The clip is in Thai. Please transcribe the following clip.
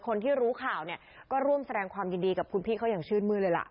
คนที่รู้ข่าวเนี่ยก็ร่วมแสดงความยินดีกับคุณพี่เขาอย่างชื่นมือเลยล่ะ